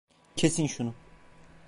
Kesin şunu.